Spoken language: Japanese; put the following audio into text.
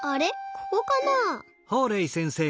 ここかなあ？